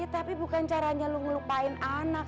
tapi bukan caranya lu ngelupain anak